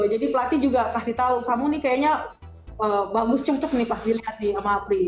jadi pelatih juga kasih tahu kamu nih kayaknya bagus cok cok nih pas dilihat nih sama apri